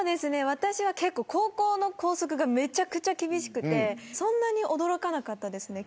私は高校の校則がめちゃくちゃ厳しくてそんなに驚かなかったですね